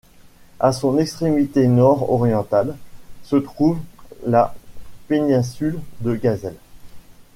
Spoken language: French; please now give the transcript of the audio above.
À son extrémité nord-orientale, se trouve la péninsule de Gazelle.